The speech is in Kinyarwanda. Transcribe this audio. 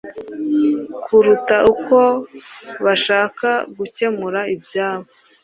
kuruta uko bashaka gukemura ibyabo